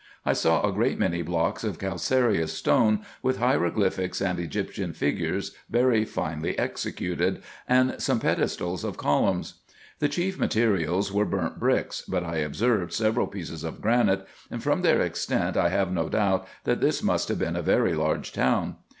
I saw a great many blocks of calcareous stone with hieroglyphics and Egyptian figures very finely executed, and some pedestals of columns. The chief materials were burnt bricks ; but I observed several pieces of granite, and from their extent, I have no doubt that this must have been a very large town.